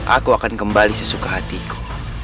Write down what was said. aku akan kembali sesuka hatiku